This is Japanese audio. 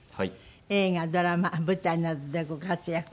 映画ドラマ舞台などでご活躍。